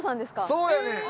そうやねん。